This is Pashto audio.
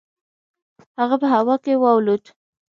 هغه په هوا کې والوت.